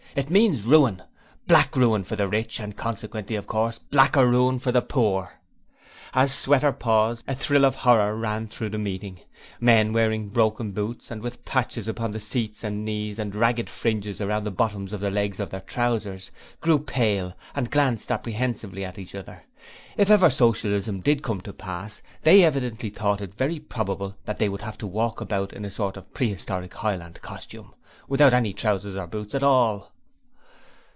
It means Ruin! Black Ruin for the rich, and consequently, of course, Blacker Ruin still for the poor!' As Sweater paused, a thrill of horror ran through the meeting. Men wearing broken boots and with patches upon the seats and knees, and ragged fringes round the bottoms of the legs of their trousers, grew pale, and glanced apprehensively at each other. If ever Socialism did come to pass, they evidently thought it very probable that they would have to walk about in a sort of prehistoric highland costume, without any trousers or boots at all.